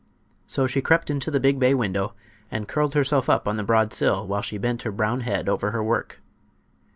So she crept into the big bay window and curled herself up on the broad sill while she bent her brown head over her work.